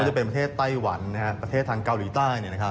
จะเป็นประเทศไต้หวันประเทศทางเกาหลีใต้